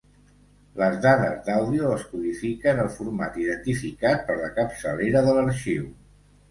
Les dades d'àudio es codifica en el format identificat per la capçalera de l'arxiu.